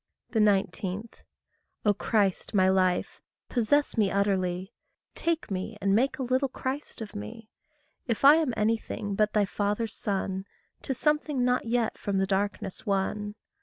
19. O Christ, my life, possess me utterly. Take me and make a little Christ of me. If I am anything but thy father's son, 'Tis something not yet from the darkness won.